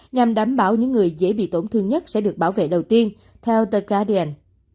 nhằm đảm bảo những người dễ bị tổn thương nhất sẽ được bảo vệ đầu tiên theo the guardian